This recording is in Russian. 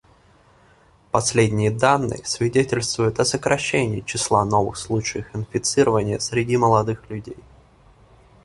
Последние данные свидетельствуют о сокращении числа новых случаев инфицирования среди молодых людей.